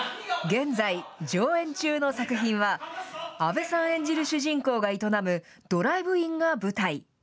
現在、上演中の作品は、阿部さん演じる主人公が営むドライブインが舞台。